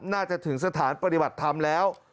ถึงสถานปฏิบัติธรรมแล้ว